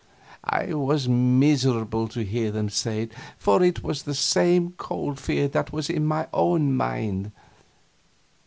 I was miserable to hear them say it, for it was the same cold fear that was in my own mind.